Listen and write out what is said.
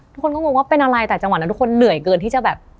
ทุกคนก็งงว่าเป็นอะไรแต่จังหวะนั้นทุกคนเหนื่อยเกินที่จะแบบ